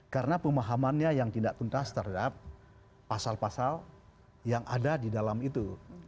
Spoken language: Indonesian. karena pemahamannya yang tidak tuntas terhadap pasal pasal yang ada di dalam itu